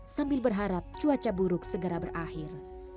sambil berharap cuaca buruk segera berakhir